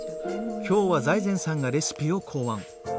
今日は財前さんがレシピを考案。